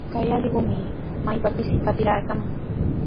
Kay allqumi maypapis qatiraakaman.